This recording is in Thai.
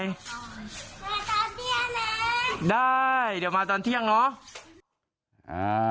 มาตอนเที่ยงเนาะได้เดี๋ยวมาตอนเที่ยงเนาะ